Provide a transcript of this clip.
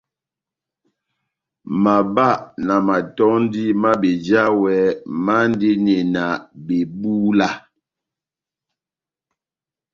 Mabá na matɔ́ndi má bejawɛ mandini na bebúla.